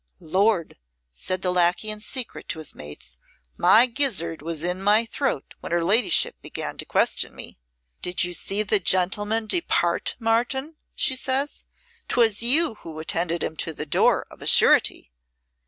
"Lord," said the lacquey in secret to his mates, "my gizzard was in my throat when her ladyship began to question me. 'Did you see the gentle, man depart, Martin?' says she. ''Twas you who attended him to the door, of a surety.'